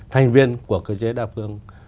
thành viên của cơ chế đa phương